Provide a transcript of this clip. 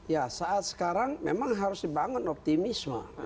ya saat sekarang memang harus dibangun optimisme